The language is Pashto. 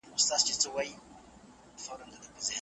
ځینې کارکوونکي د ورځې په اوږدو کې ستړي کېږي.